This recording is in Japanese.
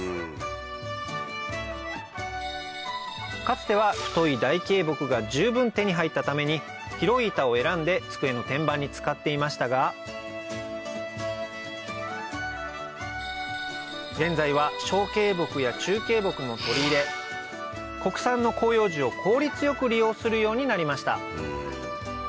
つては太い大径木が十分手に入ったために広い板を選んで机の天板に使っていましたが現在は小径木や中径木も取り入れ国産の広葉樹を効率よく利用するようになりました